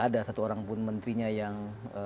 ada satu orang pun menterinya yang